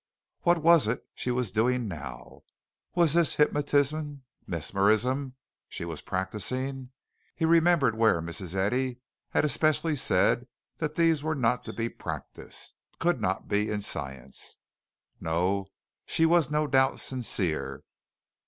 What was it she was doing now? Was this hypnotism, mesmerism, she was practicing? He remembered where Mrs. Eddy had especially said that these were not to be practiced could not be in Science. No, she was no doubt sincere.